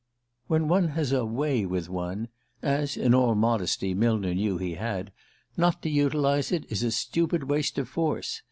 When one has a "way" with one as, in all modesty, Millner knew he had not to utilize it is a stupid waste of force.